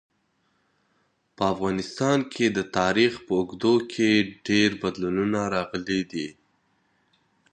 په افغانستان کي د تاریخ په اوږدو کي ډېر بدلونونه راغلي دي.